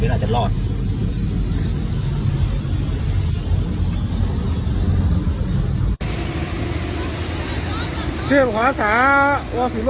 อาจจะรอด